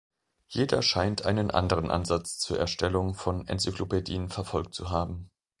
Jeder scheint einen anderen Ansatz zur Erstellung von Enzyklopädien verfolgt zu haben.